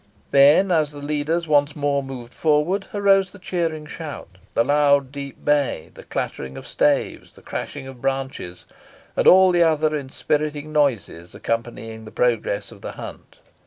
Then, as the leaders once more moved forward, arose the cheering shout, the loud deep bay, the clattering of staves, the crashing of branches, and all the other inspiriting noises accompanying the progress of the hunt.